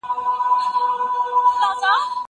زه اوږده وخت ونې ته اوبه ورکوم!.